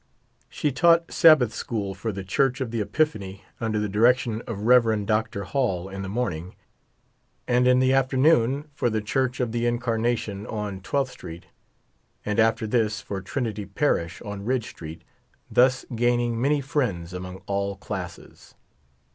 She taught Sab bath school for the Church of the Epiphan}^ under the direction of Rev. Dr. Hall, in the morning, and in the afternoon for the Church of the Incarnation, on Twelfth street, and after this for Trinity Parish, on Ridge street, thus gaining many friends among all classes.